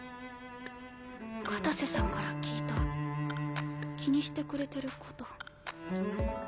片瀬さんから聞いた気にしてくれてる事。